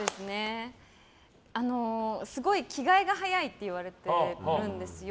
すごい、着替えが早いって言われてるんですよ。